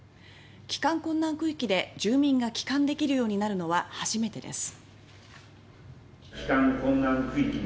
帰還困難区域で住民が帰還できるようになるのは初めてです。